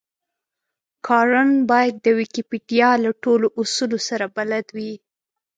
کارن بايد د ويکيپېډيا له ټولو اصولو سره بلد وي.